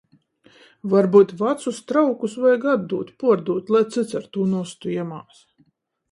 Varbyut vacus traukus vajag atdūt, puordūt, lai cyts ar tū nostu jemās.